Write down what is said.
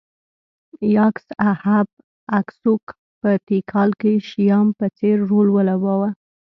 یاکس اهب اکسوک په تیکال کې شیام په څېر رول ولوباوه